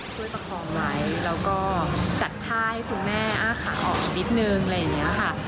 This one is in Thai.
ประคองไว้แล้วก็จัดท่าให้คุณแม่อ้าขาออกอีกนิดนึงอะไรอย่างนี้ค่ะ